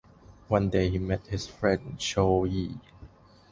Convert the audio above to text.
One day he met his friend Cho Yee.